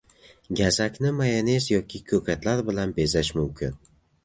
Gazakni mayonez yoki ko‘katlar bilan bezash mumkin